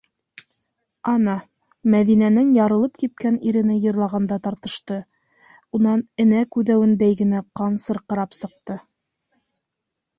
Ана, Мәҙинәнең ярылып кипкән ирене йырлағанда тартышты, унан энә күҙәүендәй генә ҡан сырҡырап сыҡты.